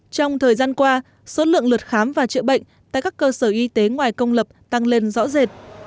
trong thời gian qua số lượng lượt khám và chữa bệnh tại các cơ sở y tế ngoài công lập tăng lên rõ rệt